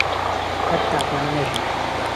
قەت تاقانە مەژی